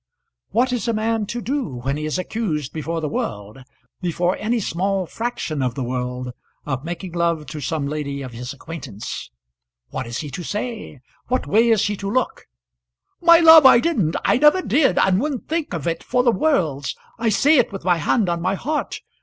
What is a man to do when he is accused before the world, before any small fraction of the world, of making love to some lady of his acquaintance? What is he to say? What way is he to look? "My love, I didn't. I never did, and wouldn't think of it for worlds. I say it with my hand on my heart.